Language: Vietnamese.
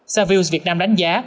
saville việt nam đánh giá